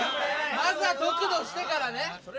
まずは得度してからね。